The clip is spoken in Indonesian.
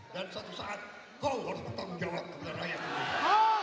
dan satu saat kau harus bertanggung jawab kebenaran rakyat ini